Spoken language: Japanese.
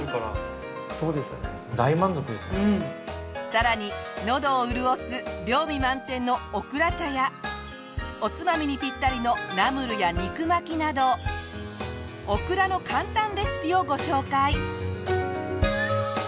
さらにのどを潤す涼味満点のオクラ茶やおつまみにぴったりのナムルや肉巻きなどオクラの簡単レシピをご紹介！